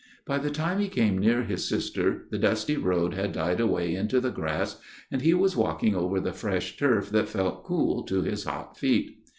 By the time he came near his sister the dusty road had died away into the grass, and he was walking over the fresh turf that felt cool to his hot feet.